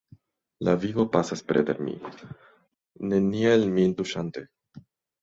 La vivo pasas preter mi, neniel min tuŝante.